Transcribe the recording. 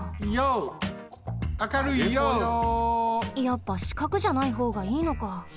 やっぱしかくじゃないほうがいいのか。